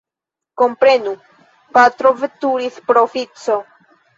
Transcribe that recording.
Komprenu, patro veturis pro oﬁco.